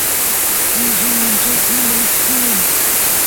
killa ancha sumaq kan